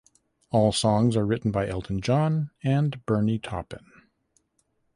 All songs are written by Elton John and Bernie Taupin.